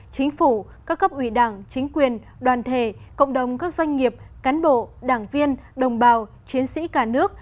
chính phủ các cấp ủy đảng chính quyền đoàn thể cộng đồng các doanh nghiệp cán bộ đảng viên đồng bào chiến sĩ cả nước